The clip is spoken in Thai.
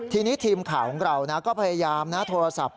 ทีนี้ทีมข่าวของเราก็พยายามนะโทรศัพท์